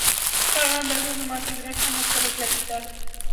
په هغه اندازه زما سګرټ هم ورسره زیاتېدل.